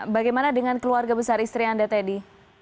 bagaimana dengan keluarga besar istri anda teddy